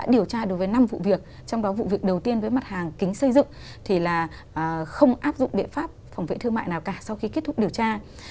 điều tra đối với năm vụ việc trong đó vụ việc đầu tiên với mặt hàng kính xây dựng thì là không áp dụng biện pháp phòng vệ thương mại nào cả sau khi kết thúc điều tra